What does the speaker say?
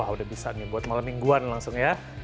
wah udah bisa nih buat malam mingguan langsung ya